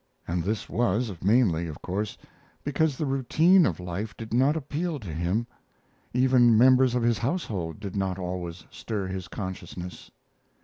And this was, mainly, of course, because the routine of life did not appeal to him. Even members of his household did not always stir his consciousness.